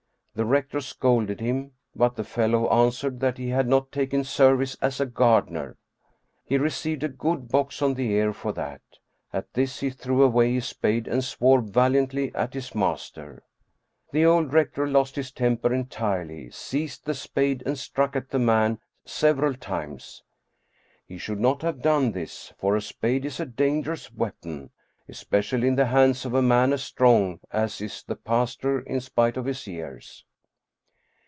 The rector scolded him, but the fellow an swered that he had not taken service as a gardener. He received a good box on the ear for that. At this he threw away his spade and swore valiantly at his master. The old rector lost his temper entirely, seized the spade and struck at the man several times. He should not have done this, for a spade is a dangerous weapon, especially in the hands of a man as strong as is the pastor in spite of his years.